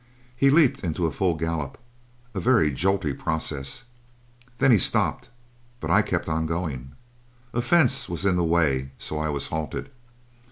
He leaped into a full gallop. A very jolty process. Then he stopped but I kept on going. A fence was in the way, so I was halted.